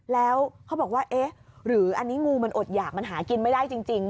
แล้วเขาบอกว่าเอ๊ะหรืออันนี้งูมันอดหยากมันหากินไม่ได้จริง